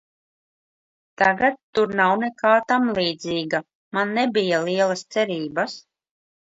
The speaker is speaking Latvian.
Tagad tur nav nekā tamlīdzīga, man nebija lielas cerības.